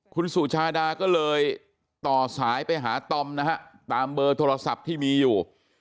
คุณสุชาดาก็เลยต่อสายไปหาตอมนะฮะตามเบอร์โทรศัพท์ที่มีอยู่